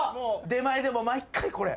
出前でも毎回これ。